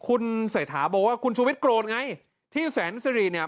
คุณเสถาบอกว่าคุณชูวิทย์โกรธไงที่แสนที่สรีเนี่ย